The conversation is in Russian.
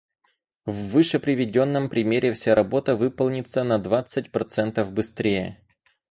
В вышеприведенном примере вся работа выполнится на двадцать процентов быстрее